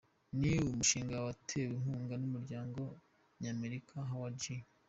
Ni umushinga watewe inkunga n’umuryango Nyamerika Howard G.